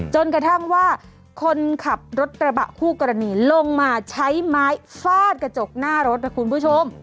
จนกระทั่งว่าคนขับรถกระบะคู่กรณีลงมาใช้ไม้ฟาดกระจกหน้ารถนะคุณผู้ชม